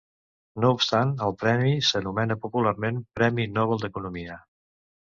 No obstant el premi s'anomena popularment Premi Nobel d'Economia.